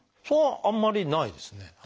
それはあんまりないですね。